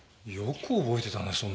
よく覚えてたね